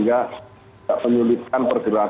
jadi ya tidak akan ditentukan